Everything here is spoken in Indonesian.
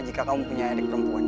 jika kamu punya adik perempuan